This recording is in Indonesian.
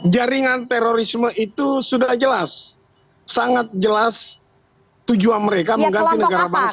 jaringan terorisme itu sudah jelas sangat jelas tujuan mereka mengganti negara bangsa